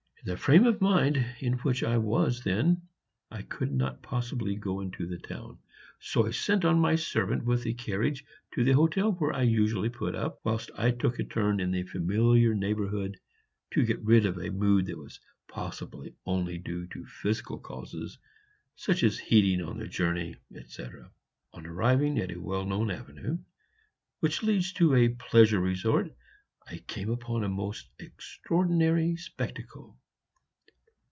In the frame of mind in which I then was I could not possibly go into the town, so I sent on my servant with the carriage to the hotel where I usually put up, whilst I took a turn in the familiar neighborhood to get rid of a mood that was possibly only due to physical causes, such as heating on the journey, etc. On arriving at a well known avenue, which leads to a pleasure resort, I came upon a most extraordinary spectacle.